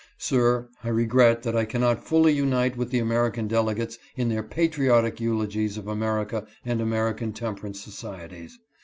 Sir, I regret that I cannot fully unite with the American delegates in their patriotic eulogies of America and American temperance societies.